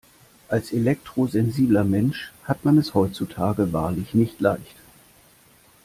Als elektrosensibler Mensch hat man es heutzutage wahrlich nicht leicht.